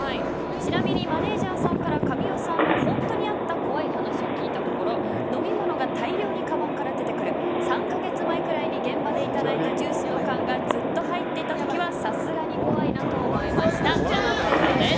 ちなみにマネジャーさんに神尾さんの本当にあった怖い話を聞いたところ飲み物が大量にかばんから出てくる３か月くらい前に現場でいただいたジュースの缶がジュースの缶がずっと入っていた時はさすがに怖いなと思いましたということです。